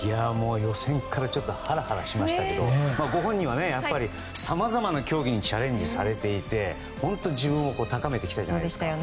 予選からハラハラしましたけどご本人は、やっぱりさまざまな競技にチャレンジされていて自分を高めてきたじゃないですか。